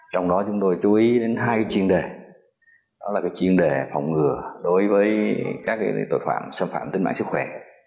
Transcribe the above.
trong đó chúng tôi chú ý đến hai chuyên đề đó là chuyên đề phòng ngừa đối với các tội phạm xâm phạm tính mạng sức khỏe